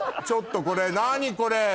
ちょっと何これ。